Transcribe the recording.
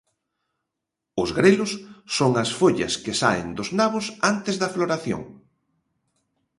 Os grelos son as follas que saen dos nabos antes da floración.